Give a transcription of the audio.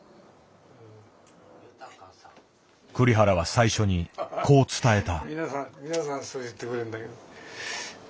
栗原は最初にこう伝えた。